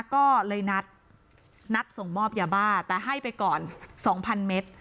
ก็เลยนัดส่งมอบยาบ้าแต่ให้ไปก่อน๒๐๐เมตร